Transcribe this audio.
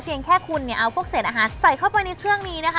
เพียงแค่คุณเอาพวกเสธอาหารใส่เข้าไปในเครื่องนี้นะคะ